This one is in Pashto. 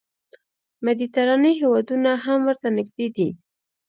مدیترانې هېوادونه هم ورته نږدې دي.